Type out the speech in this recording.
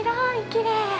きれい！